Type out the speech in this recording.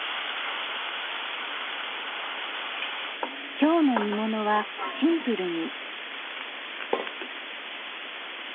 今日の煮物はシンプルに。